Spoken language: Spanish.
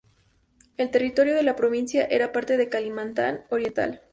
El territorio de la provincia era parte de Kalimantan Oriental.